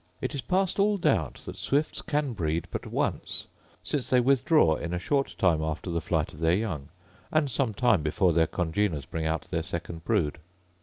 It is past all doubt that swifts can breed but once, since they withdraw in a short time after the flight of their young, and some time before their congeners bring out their second brood.